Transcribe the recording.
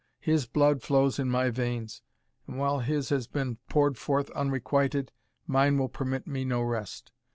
His blood flows in my veins, and while his has been poured forth unrequited, mine will permit me no rest.